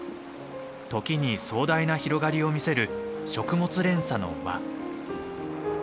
時に壮大な広がりを見せる食物連鎖の輪。